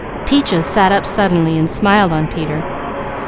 Peaches sat up suddenly and smiled on Peter.